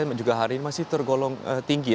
yang juga hari ini masih tergolong tinggi